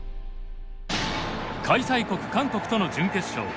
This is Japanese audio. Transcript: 開催国韓国との準決勝。